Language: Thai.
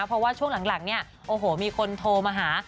เพราะว่าช่วงหลังเนี่ยโอ้โหมีคนโทรมาหา